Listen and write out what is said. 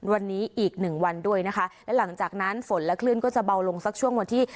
วันนี้อีกหนึ่งวันด้วยนะคะและหลังจากนั้นฝนและคลื่นก็จะเบาลงสักช่วงวันที่